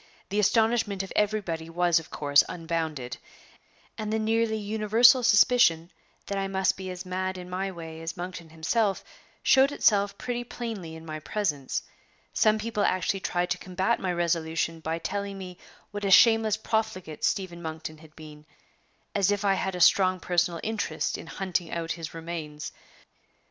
The astonishment of everybody was of course unbounded, and the nearly universal suspicion that I must be as mad in my way as Monkton himself showed itself pretty plainly in my presence. Some people actually tried to combat my resolution by telling me what a shameless profligate Stephen Monkton had been as if I had a strong personal interest in hunting out his remains!